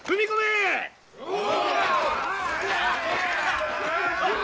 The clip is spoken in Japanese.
お！